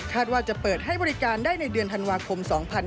ว่าจะเปิดให้บริการได้ในเดือนธันวาคม๒๕๖๒